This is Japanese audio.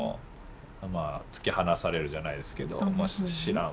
まあ突き放されるじゃないですけど。